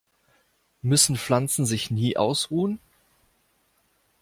Müssen Pflanzen sich nie ausruhen?